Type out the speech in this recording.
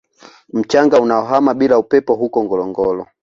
Mchanga unaohama bila upepo huko Ngorongoro